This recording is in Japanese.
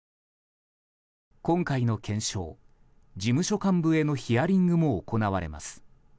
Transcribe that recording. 今回の検証、事務所幹部へのヒアリングも行われます。